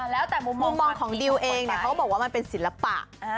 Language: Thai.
แล้วแต่มุมมองของดิวเองเขาก็บอกว่ามันเป็นศิลปะ